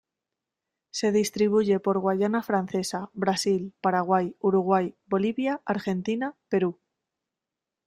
Se distribuye por Guyana Francesa, Brasil, Paraguay, Uruguay, Bolivia, Argentina, Perú.